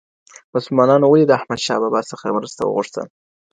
مسلمانانو ولي د احمد شاه بابا څخه مرسته وغوښته؟